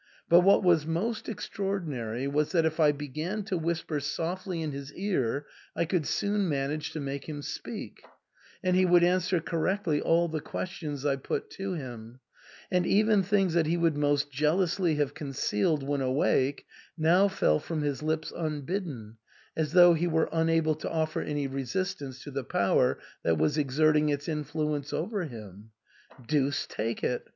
But what was most extraordinary was that if I began to whisper softly in his ear I could soon manage to make him speak ; and he would answer correctly all the questions I put to him ; and even things that he would most jealously have concealed when awake now fell from his lips un bidden, as though he were unable to offer any resist ance to the power that was exerting its influence over him. Deuce take it